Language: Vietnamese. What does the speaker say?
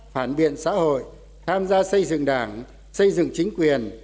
phản biện xã hội tham gia xây dựng đảng xây dựng chính quyền